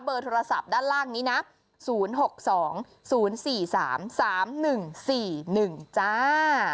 เบอร์โทรศัพท์ด้านล่างนี้นะศูนย์หกสองศูนย์สี่สามสามหนึ่งสี่หนึ่งจ้า